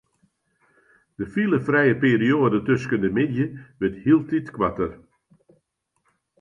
De filefrije perioade tusken de middei wurdt hieltyd koarter.